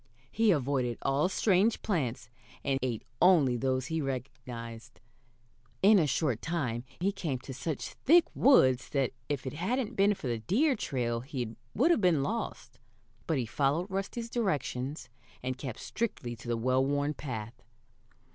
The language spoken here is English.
He avoided all strange plants, and ate only those he recognized. In a short time he came to such thick woods that if it hadn't been for the deer trail he would have been lost, but he followed Rusty's directions, and kept strictly to the well worn path.